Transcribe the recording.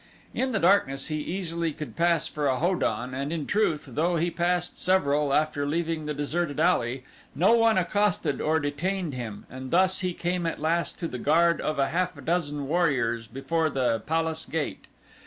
In the darkness he easily could pass for a Ho don and in truth, though he passed several after leaving the deserted alley, no one accosted or detained him, and thus he came at last to the guard of a half dozen warriors before the palace gate.